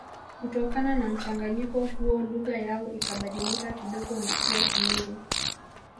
Kutokana na mchanganyiko huo lugha yao ikabadilika kidogo na kuwa Kimeru